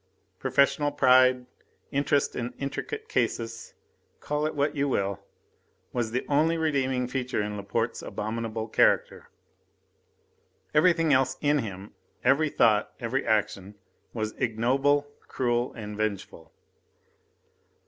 Professional pride interest in intricate cases call it what you will was the only redeeming feature in Laporte's abominable character. Everything else in him, every thought, every action was ignoble, cruel and vengeful.